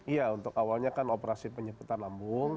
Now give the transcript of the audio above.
iya untuk awalnya kan operasi penyemputan lambung